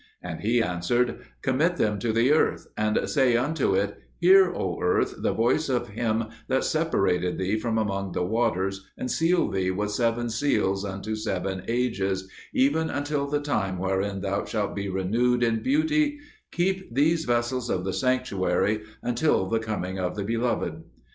And he answered, "Commit them to the earth, and say unto it, 'Hear, O earth, the voice of Him that separated thee from among the waters, and sealed thee with seven seals unto seven ages, even until the time wherein thou shalt be renewed in beauty: keep these vessels of the sanctuary until the coming of the Beloved.'"